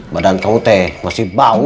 badan kamu teh masih bau